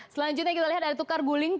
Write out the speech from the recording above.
selanjutnya kita lihat ada tukar guling